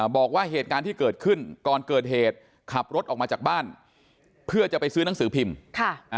บอกว่าเหตุการณ์ที่เกิดขึ้นก่อนเกิดเหตุขับรถออกมาจากบ้านเพื่อจะไปซื้อหนังสือพิมพ์ค่ะอ่า